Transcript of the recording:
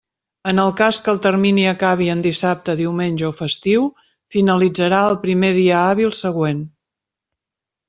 En el cas que el termini acabi en dissabte, diumenge o festiu, finalitzarà el primer dia hàbil següent.